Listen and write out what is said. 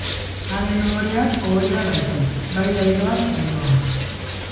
Haren ohoreaz ohorea baitu, bai laidoaz laidoa.